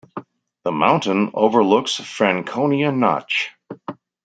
The mountain overlooks Franconia Notch.